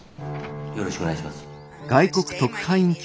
よろしくお願いします。